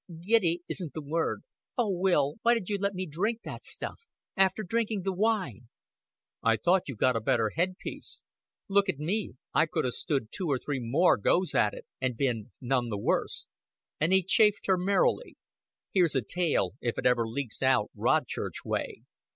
"Giddy isn't the word. Oh, Will, why did you let me drink that stuff after drinking the wine?" "I thought you'd got a better head piece. Look at me. I could 'a' stood two or three more goes at it, and bin none the worse." And he chaffed her merrily. "Here's a tale if it ever leaks out Rodchurch way.